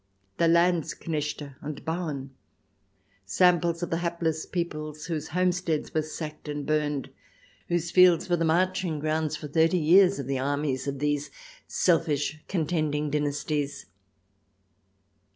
the Lands knechte and Bauern, samples of the hapless peoples whose homesteads were sacked and burned, whose fields were the marching grounds for thirty years of the armies of these selfish contending dynasties.